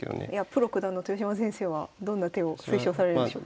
プロ九段の豊島先生はどんな手を推奨されるんでしょうか？